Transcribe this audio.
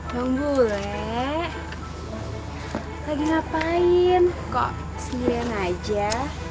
neng bule lagi ngapain kok sendirian aja